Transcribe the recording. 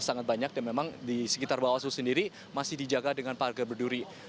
sangat banyak dan memang di sekitar bawah selu sendiri masih dijaga dengan pagar berduri